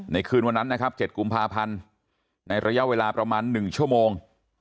คืนวันนั้นนะครับ๗กุมภาพันธ์ในระยะเวลาประมาณ๑ชั่วโมง